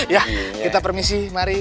ya kita permisi mari